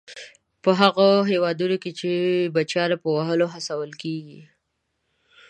په هغو هېوادونو کې چې بچیان په وهلو هڅول کیږي.